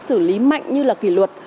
xử lý mạnh như là kỷ luật